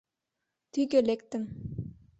Тӱгӧ лектым.